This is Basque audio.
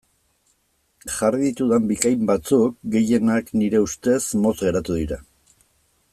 Jarri ditudan bikain batzuk, gehienak nire ustez, motz geratu dira.